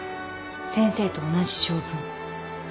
先生と同じ性分。